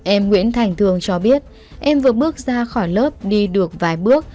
em nguyễn thành thường cho biết em vừa bước ra khỏi lớp đi được vài bước